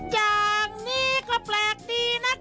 อย่างนี้ก็แปลกดีนะคะ